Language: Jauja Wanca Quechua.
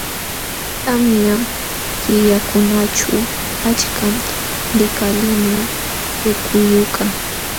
Tamya killakunaćhu achkam likalimun tukllukaq..